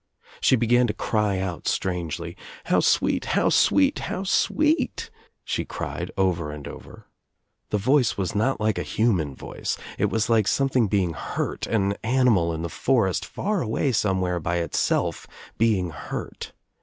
She began to cry out strangely. "How sweet, how sweet, how sweet," she cried over and over. The voice was not like a human voice. It ' was like something being hurt, an animal in the forest, far away somewhere by itself, being hurt.